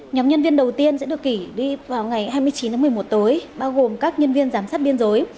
nhóm nhân viên đầu tiên sẽ được kỷ đi vào ngày hai mươi chín tháng một mươi một tối bao gồm các nhân viên giám sát biên giới